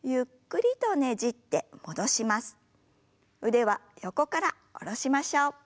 腕は横から下ろしましょう。